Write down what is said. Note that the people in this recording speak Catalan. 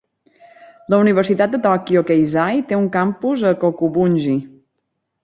La Universitat de Tokyo Keizai té un campus a Kokubunji.